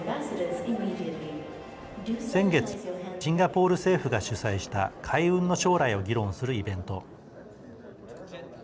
先月シンガポール政府が主催した海運の将来を議論するイベント。